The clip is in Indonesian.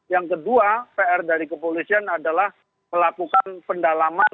yang kedua pr dari kepolisian adalah melakukan pendalaman